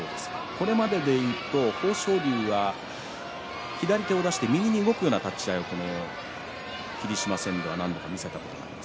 これまでは豊昇龍は左手を出して右に動くような立ち合いを霧島戦では何度も見せたことがあります。